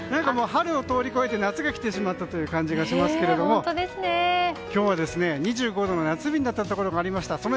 春を通り超えて夏が来てしまったという感じがしますけど今日は、２５度の夏日になったところもありました。